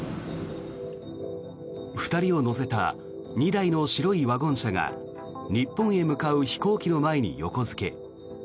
２人を乗せた２台の白いワゴン車が日本へ向かう飛行機の前に横付け。